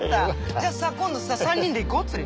じゃあさ今度さ３人で行こう釣り。